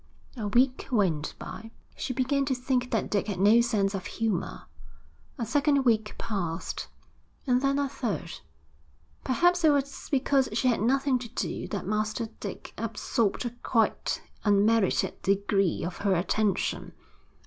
A week went by. She began to think that Dick had no sense of humour. A second week passed, and then a third. Perhaps it was because she had nothing to do that Master Dick absorbed a quite unmerited degree of her attention.